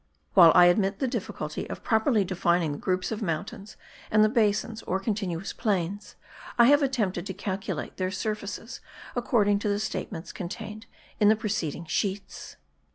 While I admit the difficulty of properly defining the groups of mountains and the basins or continuous plains, I have attempted to calculate their surfaces according to the statements contained in the preceding sheets.